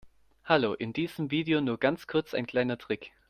Hallo, in diesem Video nur ganz kurz ein kleiner Trick.